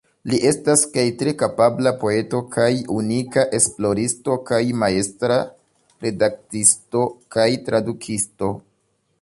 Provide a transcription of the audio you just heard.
Li estas kaj tre kapabla poeto kaj unika esploristo, kaj majstra redaktisto kaj tradukisto.